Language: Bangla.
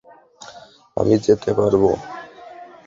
আমি যেতে পারব।